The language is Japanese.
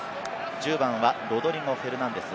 １０番はロドリゴ・フェルナンデス。